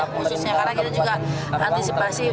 khususnya karena kita juga antisipasi